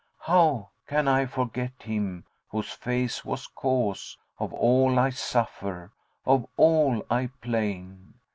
How can I forget him whose face was cause * Of all I suffer, of all I 'plain?